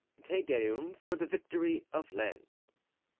Te Deum for the Victory of Lens.